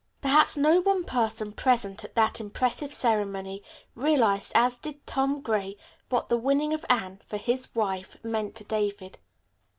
Perhaps no one person present at that impressive ceremony realized as did Tom Gray what the winning of Anne, for his wife, meant to David.